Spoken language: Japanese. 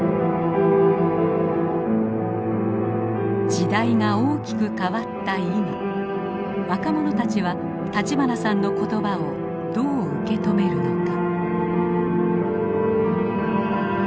時代が大きく変わった今若者たちは立花さんの言葉をどう受け止めるのか。